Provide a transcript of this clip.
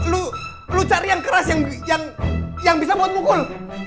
lo lo cari yang keras yang yang yang bisa buat mukul